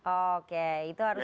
oke itu harusnya